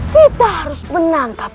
kita harus menangkap